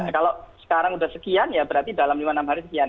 kalau sekarang sudah sekian ya berarti dalam lima enam hari sekian